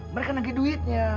mereka nagih duitnya